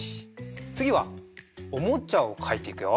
つぎはおもちゃをかいていくよ。